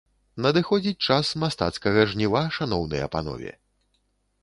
Надыходзіць час мастацкага жніва, шаноўныя панове.